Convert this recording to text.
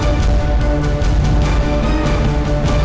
aduh tolong aku